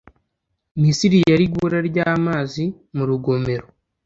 misiri yari guhura n'ibura ry'amazi mu urugomero